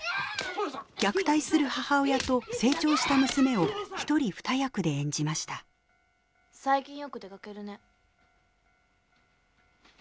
虐待する母親と成長した娘を一人二役で演じました最近よく出かけるね。